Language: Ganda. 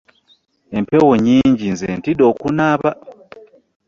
Empewo nyinji nze ntidde okunaaba .